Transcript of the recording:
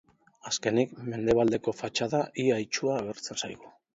Azkenik, mendebaldeko fatxada ia itsua agertzen zaigu.